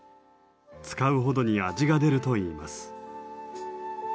使うほどに味が出るといいます。